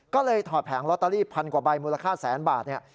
ก็เลยถอดแผงลอตเตอรี่พันกว่าใบมูลค่าแสนบาทเนี่ย